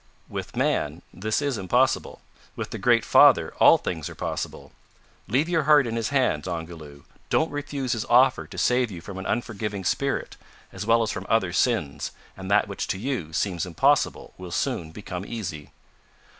"With man this is impossible. With the Great Father all things are possible. Leave your heart in His hands, Ongoloo; don't refuse His offer to save you from an unforgiving spirit, as well as from other sins, and that which to you seems impossible will soon become easy."